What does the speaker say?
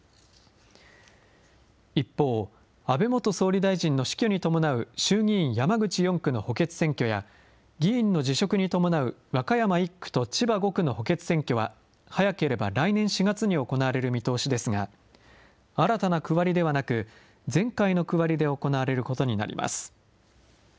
一方、安倍元総理大臣の死去に伴う衆議院山口４区の補欠選挙や、議員の辞職に伴う和歌山１区と千葉５区の補欠選挙は、早ければ来年４月に行われる見通しですが、新たな区割りではなく、前回の区割りで行われることになります。